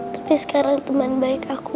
tapi sekarang teman baik aku